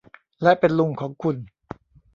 และเป็นลุงของคุณ